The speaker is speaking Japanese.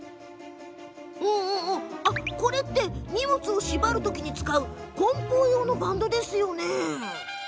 これって荷物を縛るときに使うこん包用のバンドですよね？